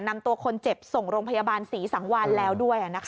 นำตัวคนเจ็บส่งโรงพยาบาลศรีสังวานแล้วด้วย